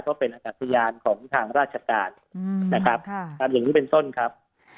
เพราะเป็นอักษริยานของทางราชการนะครับอย่างนี้เป็นส้นครับ